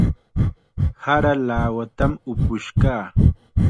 Sara lawatam upush kaa.